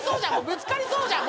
ぶつかりそうじゃん。